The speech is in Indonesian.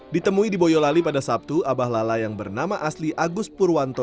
ditemui di boyolali pada sabtu abah lala yang bernama asli agus purwanto